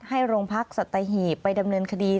ให้โรงพักสัตหีบไปดำเนินคดี